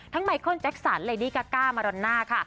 ทั้งไมคลแจ็คสันแลดี้ก๊ากก้ามารอนน่าค่ะ